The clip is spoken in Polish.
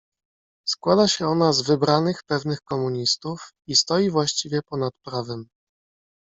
"Składa się ona z wybranych, pewnych komunistów, i stoi właściwie ponad prawem."